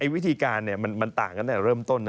วิธีการมันต่างกันตั้งแต่เริ่มต้น